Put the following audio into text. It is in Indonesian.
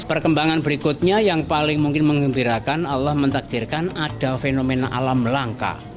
perkembangan berikutnya yang paling mungkin mengembirakan allah mentakdirkan ada fenomena alam langka